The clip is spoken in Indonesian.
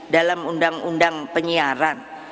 dalam undang undang penyiaran